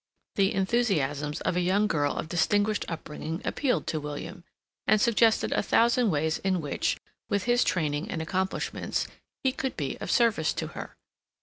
The enthusiasms of a young girl of distinguished upbringing appealed to William, and suggested a thousand ways in which, with his training and accomplishments, he could be of service to her.